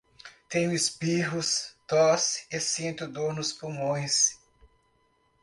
Tenho espirros, tosses e sinto dor nos pulmões